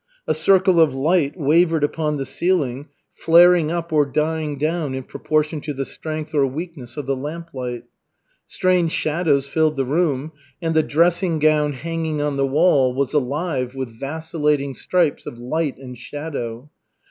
A circle of light wavered upon the ceiling, flaring up or dying down in proportion to the strength or weakness of the lamplight. Strange shadows filled the room, and the dressing gown hanging on the wall was alive with vacillating stripes of light and shadow.